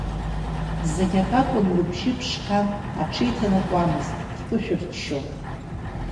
Зегь акакәын, лыбжьы ԥшқан, аҽеиҭанакуамызт, дԥышәырччон.